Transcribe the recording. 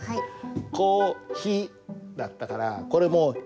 「恋ひ」だったからこれも「い」だね。